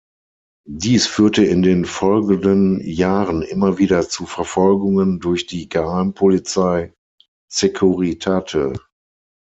Dies führte in den folgenden Jahren immer wieder zu Verfolgungen durch die Geheimpolizei „Securitate“.